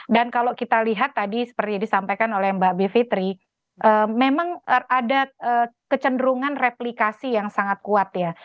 dan kalau kita lihat tadi seperti disampaikan oleh mbak bivitri memang ada kecenderungan replikasi yang sangat kuat ya